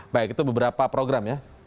baik itu beberapa program ya